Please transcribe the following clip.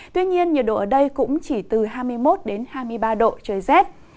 tuy nhiên nhiệt độ ở đây cũng chỉ từ hai mươi một hai mươi ba độ trời rét